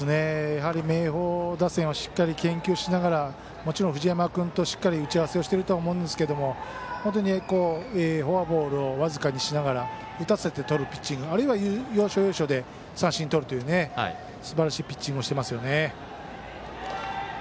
やはり明豊打線はしっかり研究しながらもちろん藤山君としっかり打ち合わせをしていると思いますがフォアボールを僅かにしながら打たせてとるピッチングあるいは要所要所で三振をとるというすばらしいピッチングをしていますね。